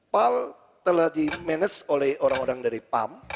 paslon telah dimanage oleh orang orang dari pam